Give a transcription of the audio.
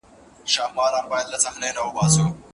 د څېړني لپاره اړین ماخذونه ورته وښایاست.